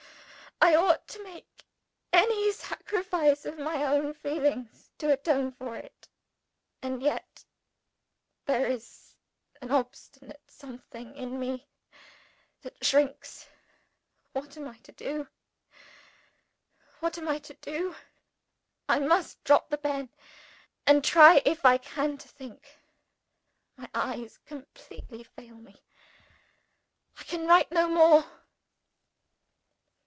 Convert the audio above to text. I ought to make any sacrifice of my own feelings to atone for it. And yet, there is an obstinate something in me that shrinks What am I to do? what am I to do? I must drop the pen, and try if I can think. My eyes completely fail me. I can write no more.